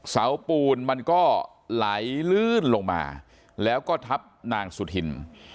เสาปูนมันก็ไหลลื่นลงมาแล้วก็ทับนางสุธิน